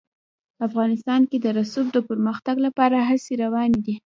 افغانستان کې د رسوب د پرمختګ لپاره هڅې روانې دي.